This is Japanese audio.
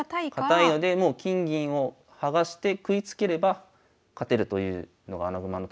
堅いので金銀を剥がして食いつければ勝てるというのが穴熊の特徴なので。